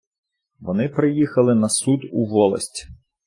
Вони приїхали на суд у волость.